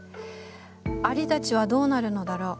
蟻たちはどうなるのだろう。